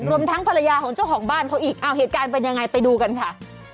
รวมทั้งภรรยาของเจ้าของบ้านเขาอีกอ้าวเหตุการณ์เป็นยังไงไปดูกันค่ะ